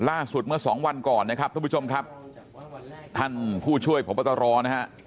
ล่าสุดเมื่อ๒วันก่อนนะครับท่านผู้ช่วยพบตรนะครับ